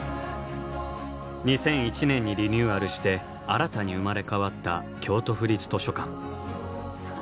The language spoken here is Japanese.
２００１年にリニューアルして新たに生まれ変わった京都府立図書館。